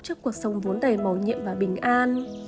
trước cuộc sống vốn đầy màu nhiệm và bình an